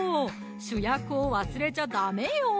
主役を忘れちゃダメよ